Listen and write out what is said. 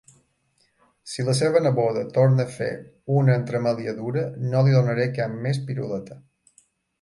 Si la seva neboda torna a fer una entremaliadura no li donaré cap més piruleta.